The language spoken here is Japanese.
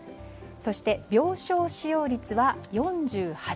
そして病床使用率は４８％。